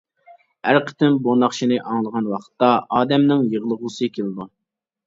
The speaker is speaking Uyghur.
ھەر قېتىم بۇ ناخشىنى ئاڭلىغان ۋاقىتتا ئادەمنىڭ يىغلىغۇسى كېلىدۇ.